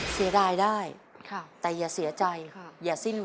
เสียดายได้